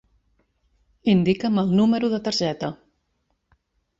Indica'm el número de targeta.